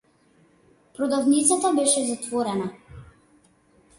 Продавницата беше затворена.